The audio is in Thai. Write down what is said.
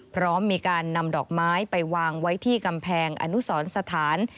พร้อมมีการนำดอกไม้ไปวางไว้ที่กำแพงอนุสรสถาน